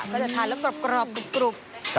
ก็จะทานแล้วกรอบกรุบ